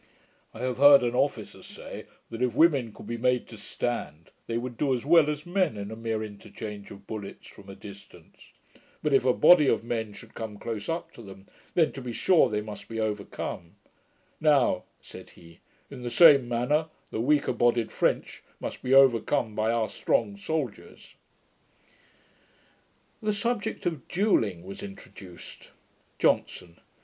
I have heard an officer say, that if women could be made to stand, they would do as well as men in a mere interchange of bullets from a distance: but, if a body of men should come close up to them, then to be sure they must be overcome; now (said he), in the same manner the weaker bodied French must be overcome by our strong soldiers.' The subject of duelling was introduced. JOHNSON.